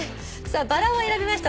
「バラ」を選びました